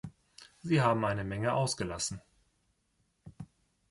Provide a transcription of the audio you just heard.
Sie haben eine Menge ausgelassen.